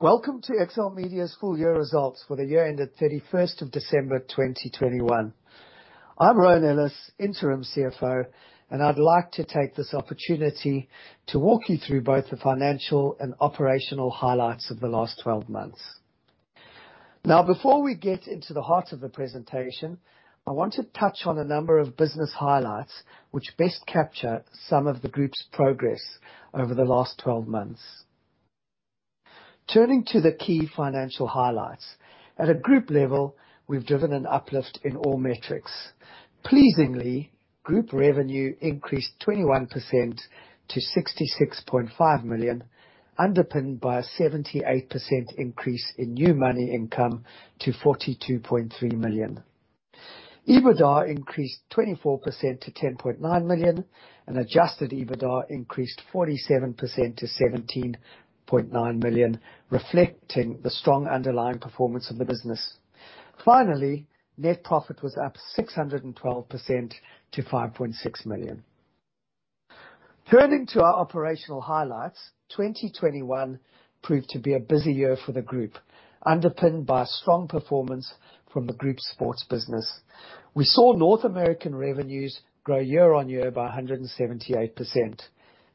Welcome to XLMedia's full year results for the year ended 31 December 2021. I'm Rowan Ellis, Interim CFO, and I'd like to take this opportunity to walk you through both the financial and operational highlights of the last twelve months. Now before we get into the heart of the presentation, I want to touch on a number of business highlights which best capture some of the group's progress over the last twelve months. Turning to the key financial highlights. At a group level, we've driven an uplift in all metrics. Pleasingly, group revenue increased 21% to 66.5 million, underpinned by a 78% increase in new money income to 42.3 million. EBITDA increased 24% to 10.9 million and adjusted EBITDA increased 47% to 17.9 million, reflecting the strong underlying performance of the business. Finally, net profit was up 612% to 5.6 million. Turning to our operational highlights, 2021 proved to be a busy year for the group, underpinned by strong performance from the group sports business. We saw North American revenues grow year-on-year by 178%.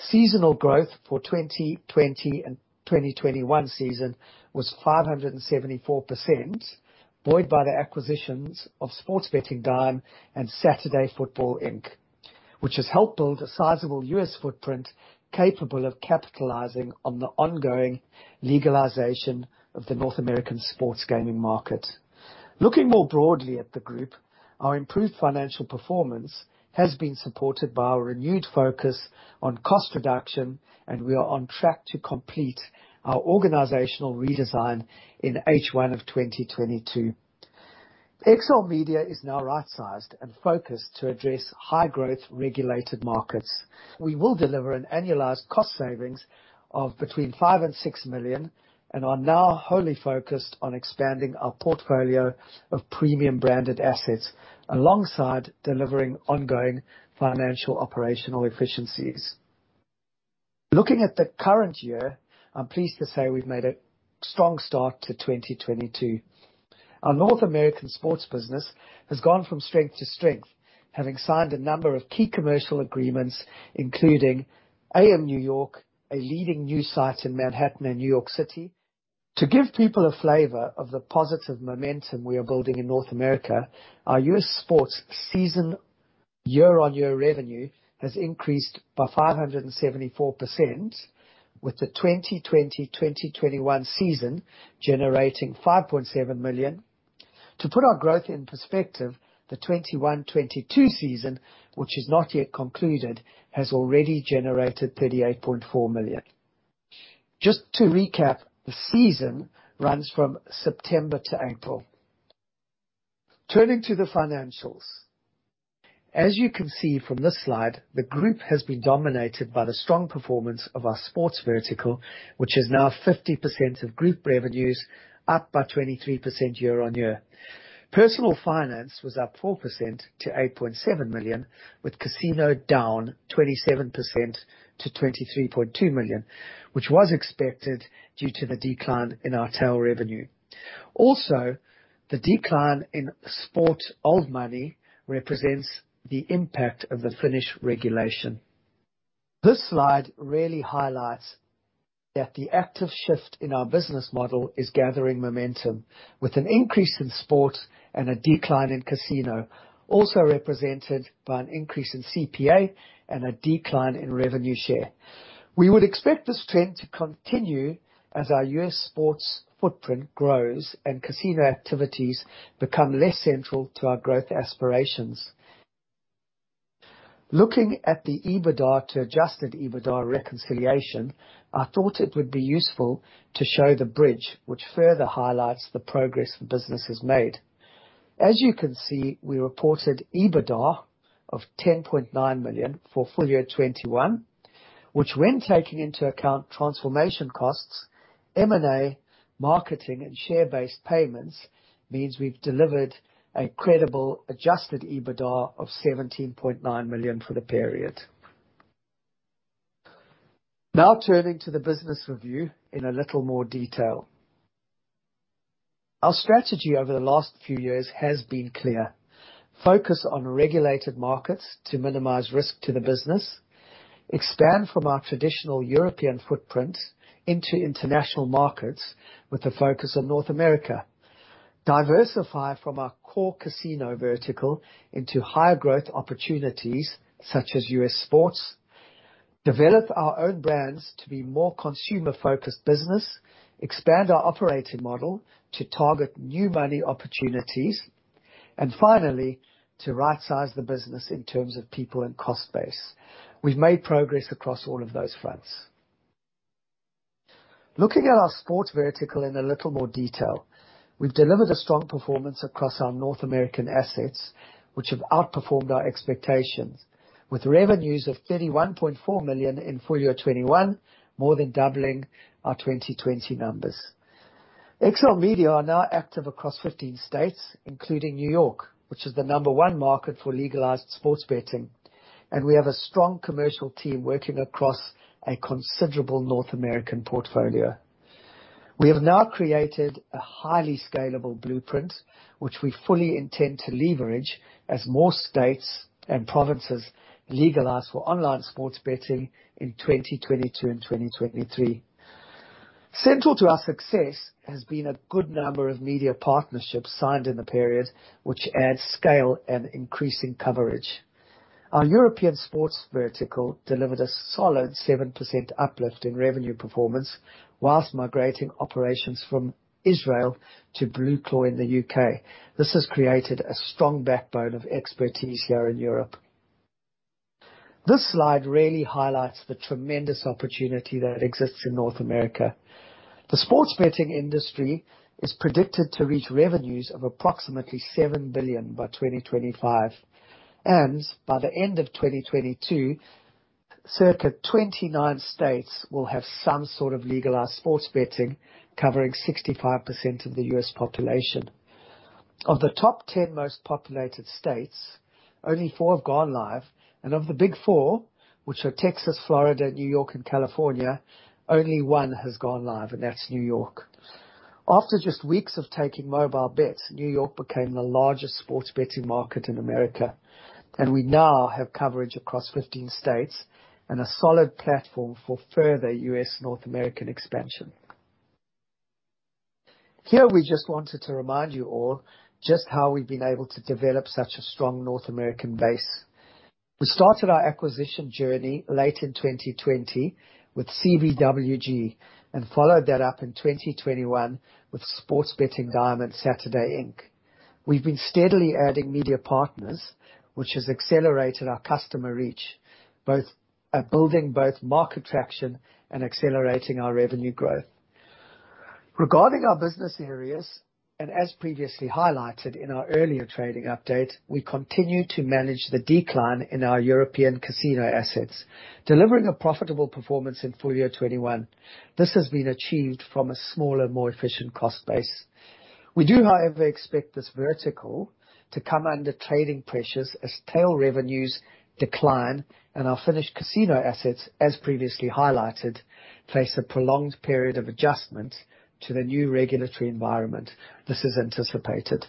Seasonal growth for 2020 and 2021 season was 574%, buoyed by the acquisitions of Sports Betting Dime and Saturday Football Inc., which has helped build a sizable U.S. footprint capable of capitalizing on the ongoing legalization of the North American sports gaming market. Looking more broadly at the group, our improved financial performance has been supported by our renewed focus on cost reduction and we are on track to complete our organizational redesign in H1 of 2022. XLMedia is now right-sized and focused to address high growth regulated markets. We will deliver an annualized cost savings of between 5 million and 6 million and are now wholly focused on expanding our portfolio of premium branded assets alongside delivering ongoing financial operational efficiencies. Looking at the current year, I'm pleased to say we've made a strong start to 2022. Our North American sports business has gone from strength to strength, having signed a number of key commercial agreements, including amNewYork, a leading news site in Manhattan and New York City. To give people a flavor of the positive momentum we are building in North America, our U.S. sports season year-on-year revenue has increased by 574% with the 2020-2021 season generating $5.7 million. To put our growth in perspective, the 2021-2022 season, which is not yet concluded, has already generated $38.4 million. Just to recap, the season runs from September to April. Turning to the financials. As you can see from this slide, the group has been dominated by the strong performance of our sports vertical, which is now 50% of group revenues up by 23% year-on-year. Personal finance was up 4% to $8.7 million, with casino down 27% to $23.2 million, which was expected due to the decline in our tail revenue. Also, the decline in sports old money represents the impact of the Finnish regulation. This slide really highlights that the active shift in our business model is gathering momentum with an increase in sports and a decline in casino, also represented by an increase in CPA and a decline in revenue share. We would expect this trend to continue as our U.S. sports footprint grows and casino activities become less central to our growth aspirations. Looking at the EBITDA to adjusted EBITDA reconciliation, I thought it would be useful to show the bridge, which further highlights the progress the business has made. As you can see, we reported EBITDA of 10.9 million for full year 2021, which when taking into account transformation costs, M&A, marketing, and share-based payments, means we've delivered a credible adjusted EBITDA of 17.9 million for the period. Now turning to the business review in a little more detail. Our strategy over the last few years has been clear. Focus on regulated markets to minimize risk to the business. Expand from our traditional European footprint into international markets with a focus on North America. Diversify from our core casino vertical into higher growth opportunities such as U.S. sports. Develop our own brands to be more consumer-focused business. Expand our operating model to target new money opportunities. Finally, to rightsize the business in terms of people and cost base. We've made progress across all of those fronts. Looking at our sports vertical in a little more detail. We've delivered a strong performance across our North American assets, which have outperformed our expectations with revenues of $31.4 million in full year 2021, more than doubling our 2020 numbers. XLMedia are now active across 15 states, including New York, which is the No. 1 market for legalized sports betting, and we have a strong commercial team working across a considerable North American portfolio. We have now created a highly scalable blueprint, which we fully intend to leverage as more states and provinces legalize for online sports betting in 2022 and 2023. Central to our success has been a good number of media partnerships signed in the period, which adds scale and increasing coverage. Our European sports vertical delivered a solid 7% uplift in revenue performance while migrating operations from Israel to BlueClaw in the U.K. This has created a strong backbone of expertise here in Europe. This slide really highlights the tremendous opportunity that exists in North America. The sports betting industry is predicted to reach revenues of approximately $7 billion by 2025, and by the end of 2022, circa 29 states will have some sort of legalized sports betting covering 65% of the U.S. population. Of the top 10 most populated states, only four have gone live, and of the big four, which are Texas, Florida, New York and California, only one has gone live, and that's New York. After just weeks of taking mobile bets, New York became the largest sports betting market in America, and we now have coverage across 15 states and a solid platform for further U.S. North American expansion. Here we just wanted to remind you all just how we've been able to develop such a strong North American base. We started our acquisition journey late in 2020 with CBWG and followed that up in 2021 with Sports Betting Dime and Saturday Football Inc. We've been steadily adding media partners, which has accelerated our customer reach, both building market traction and accelerating our revenue growth. Regarding our business areas, as previously highlighted in our earlier trading update, we continue to manage the decline in our European casino assets, delivering a profitable performance in full year 2021. This has been achieved from a smaller, more efficient cost base. We do, however, expect this vertical to come under trading pressures as tail revenues decline and our Finnish casino assets, as previously highlighted, face a prolonged period of adjustment to the new regulatory environment. This is anticipated.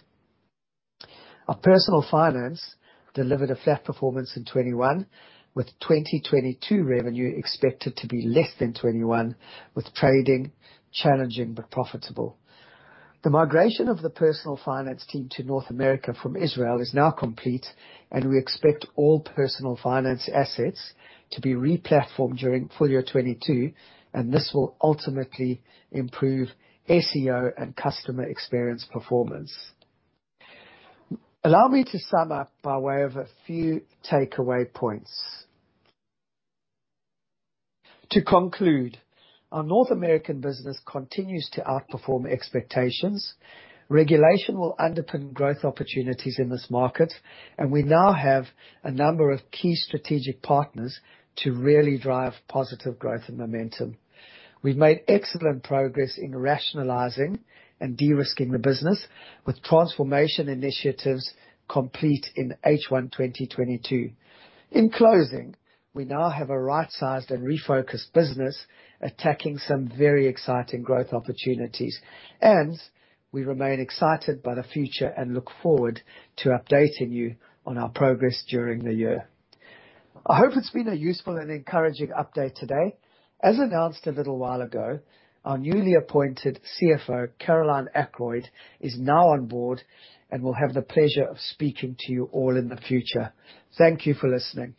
Our personal finance delivered a flat performance in 2021 with 2022 revenue expected to be less than 2021, with trading challenging but profitable. The migration of the personal finance team to North America from Israel is now complete and we expect all personal finance assets to be re-platformed during full year 2022, and this will ultimately improve SEO and customer experience performance. Allow me to sum up by way of a few takeaway points. To conclude, our North American business continues to outperform expectations. Regulation will underpin growth opportunities in this market, and we now have a number of key strategic partners to really drive positive growth and momentum. We've made excellent progress in rationalizing and de-risking the business with transformation initiatives complete in H1 2022. In closing, we now have a right-sized and refocused business attacking some very exciting growth opportunities, and we remain excited by the future and look forward to updating you on our progress during the year. I hope it's been a useful and encouraging update today. As announced a little while ago, our newly appointed CFO, Caroline Ackroyd, is now on board and will have the pleasure of speaking to you all in the future. Thank you for listening.